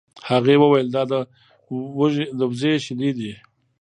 هغې وویل دا د وزې شیدې دي.